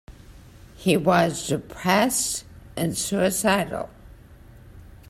He was depressed and suicidal.